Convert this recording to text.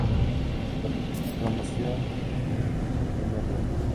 La Promoción Nro.